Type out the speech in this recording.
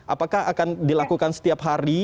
apakah akan dilakukan setiap hari